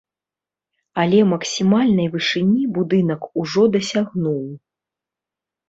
Але максімальнай вышыні будынак ужо дасягнуў.